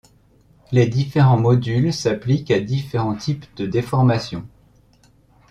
Les différents modules s'appliquent à différents types de déformation.